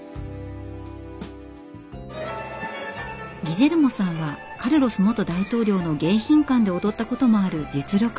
ギジェルモさんはカルロス元大統領の迎賓館で踊ったこともある実力派。